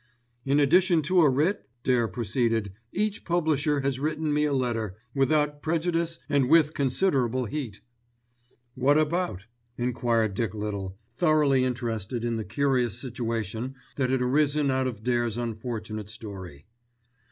"In addition to a writ," Dare proceeded, "each publisher has written me a letter, 'without prejudice' and with considerable heat." "What about?" enquired Dick Little, thoroughly interested in the curious situation that had arisen out of Dare's unfortunate story.